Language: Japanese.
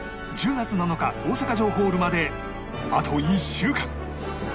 １０月７日大阪城ホールまであと１週間